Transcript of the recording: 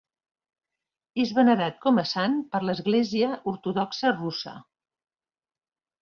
És venerat com a sant per l'Església Ortodoxa Russa.